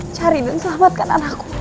cari dan selamatkan anakku